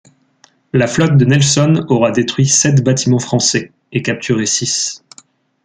La flotte de Nelson aura détruit sept bâtiments français et capturé six.